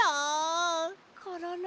コロロ！